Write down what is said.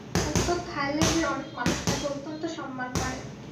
উত্তর থাইল্যান্ডের অনেক মানুষ তাঁকে অত্যন্ত সন্মান করে।